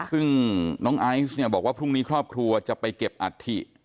ซึ่งน้องไอซ์เนี่ยบอกว่าพรุ่งนี้ครอบครัวจะไปเก็บอัฐิ